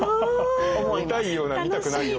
見たいような見たくないような。